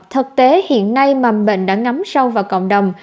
thực tế hiện nay mầm bệnh đã ngắm sâu vào cộng đồng